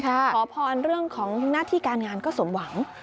ขอพรเรื่องของหน้าที่การงานก็สมหวัง